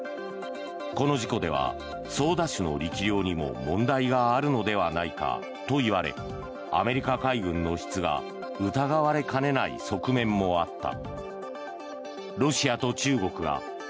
この事故では操舵手の力量にも問題があるのではないかといわれアメリカ海軍の質が疑われかねない側面もあった。